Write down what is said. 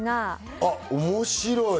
あっ、面白い。